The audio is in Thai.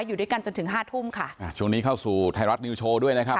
อยู่ด้วยกันจนถึงห้าทุ่มค่ะอ่าช่วงนี้เข้าสู่ไทยรัฐนิวโชว์ด้วยนะครับ